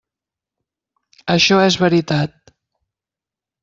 Això és veritat.